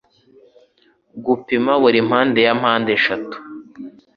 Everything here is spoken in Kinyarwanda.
Gupima buri mpande ya mpandeshatu